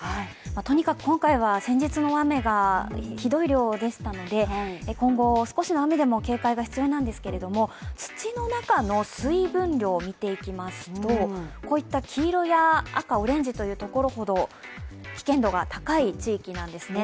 とにかく今回は先日の大雨がひどい量でしたので今後、少しの雨でも警戒が必要なんですけれども、土の中の水分量を見ていきますとこういった黄色や赤、オレンジというところほど危険度が高い地域なんですね。